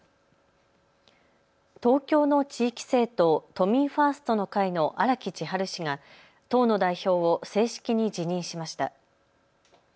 東京の地域政党、都民ファーストの会の荒木千陽氏が党の代表を正式に辞任しました。